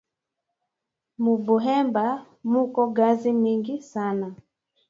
Mubuhemba muko ngazi mingi sana